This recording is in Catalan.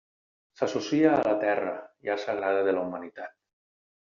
S'associa a la Terra, llar sagrada de la humanitat.